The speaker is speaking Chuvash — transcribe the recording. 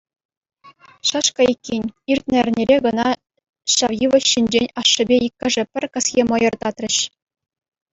Шӗшкӗ иккен, иртнӗ эрнере кӑна ҫав йывӑҫ ҫинчен ашшӗпе иккӗшӗ пӗр кӗсье мӑйӑр татрӗҫ.